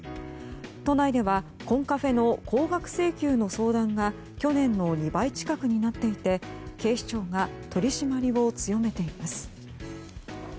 都内ではコンカフェの高額請求の相談が去年の２倍近くになっていて警視庁が取り締まりを強めています。